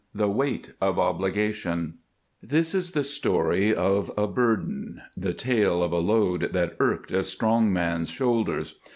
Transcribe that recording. THE WEIGHT OF OBLIGATION This is the story of a burden, the tale of a load that irked a strong man's shoulders.